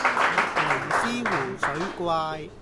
尼斯湖水怪